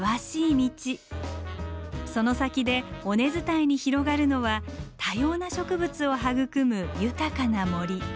その先で尾根伝いに広がるのは多様な植物を育む豊かな森。